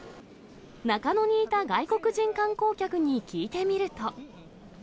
中野にいた外国人観光客に聞いてみると。